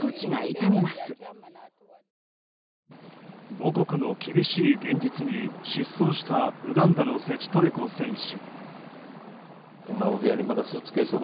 母国の厳しい現実に失踪したウガンダのセチトレコ選手。